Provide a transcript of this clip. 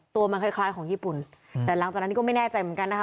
ตัวมันคล้ายคล้ายของญี่ปุ่นแต่หลังจากนั้นก็ไม่แน่ใจเหมือนกันนะคะ